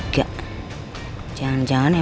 saat pengen omongkannya